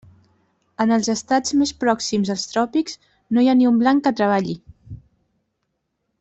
En els estats més pròxims als tròpics, no hi ha ni un blanc que treballi.